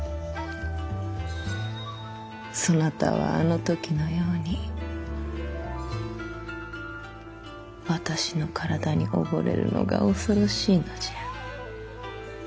そなたはあの時のように私の体に溺れるのが恐ろしいのじゃ。